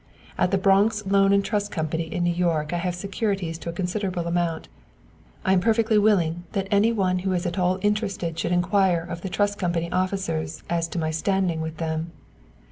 At the Bronx Loan and Trust Company in New York I have securities to a considerable amount, I am perfectly willing that any one who is at all interested should inquire of the Trust Company officers as to my standing with them.